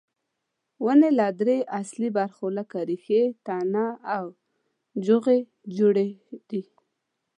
ونې له درې اصلي برخو لکه ریښې، تنه او جوغې جوړې دي.